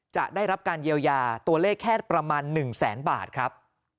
จะได้รับการเยียวยาตัวเลขแค่ประมาณ๑แสนบาทครับ